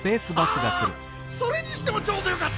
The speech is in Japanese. ああそれにしてもちょうどよかった。